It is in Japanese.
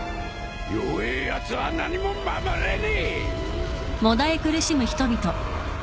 弱えやつは何も守れねえ！